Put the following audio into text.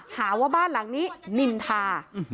หาว่าบ้านหลังนี้นินทา